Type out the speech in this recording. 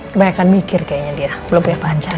kebanyakan mikir kayaknya dia belum punya pacar